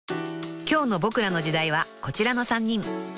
［今日の『ボクらの時代』はこちらの３人］